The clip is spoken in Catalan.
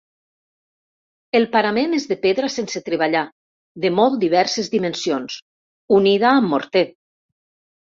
El parament és de pedra sense treballar, de molt diverses dimensions, unida amb morter.